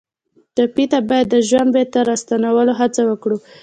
ټپي ته باید د ژوند بېرته راستنولو هڅه وکړو.